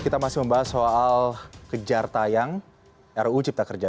kita masih membahas soal kejar tayang ruu cipta kerja